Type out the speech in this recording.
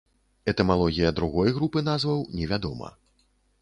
Этымалогія другой групы назваў невядома.